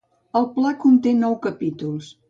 El Pla conté nou capítols.